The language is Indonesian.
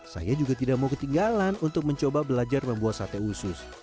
saya juga tidak mau ketinggalan untuk mencoba belajar membuat sate usus